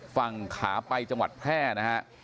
ฝั่งขาไปจังหวัดแพร่นะฮะ